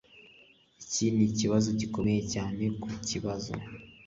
Iki nikibazo gikomeye cyane kukibazo.